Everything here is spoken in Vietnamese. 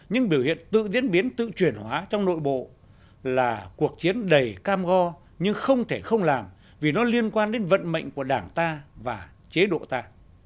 những biểu hiện tự diễn biến tự chuyển hóa trong nội bộ là cuộc chiến đầy cam go nhưng không thể không làm vì nó liên quan đến vận mệnh của đảng ta và chế độ ta